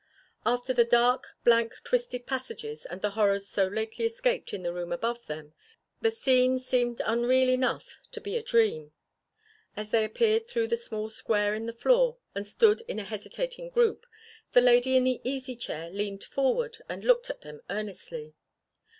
After the dark, blank, twisted passages, and the horrors so lately escaped in the room above them, the scene seemed unreal enough to be a dream. As they appeared through the small square in the floor and stood in a hesitating group the lady in the easy chair leaned forward and looked at them earnestly.